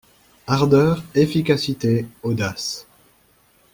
Ardeur, efficacité, audace